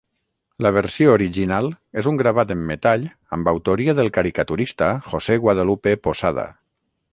La versió original és un gravat en metall amb autoria del caricaturista José Guadalupe Posada.